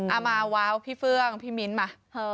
เอามาว้าวพี่เฟื่องพี่มิ้นท์มา